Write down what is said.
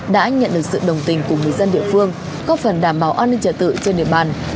đã nhận được sự đồng tình của người dân địa phương góp phần đảm bảo an ninh trả tự trên địa bàn